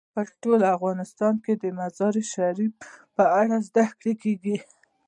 په ټول افغانستان کې د مزارشریف په اړه زده کړه کېږي.